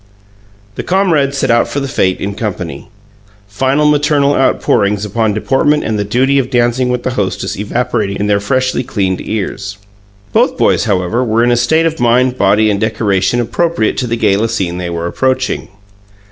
The comrades set out for the fete in company, final maternal outpourings upon deportment and the duty of dancing with the hostess evaporating in their freshly cleaned ears. Both boys, however, were in a state of mind, body, and decoration appropriate to the gala scene they were approaching.